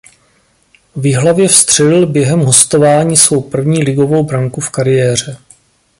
V Jihlavě vstřelil během hostování svou první ligovou branku v kariéře.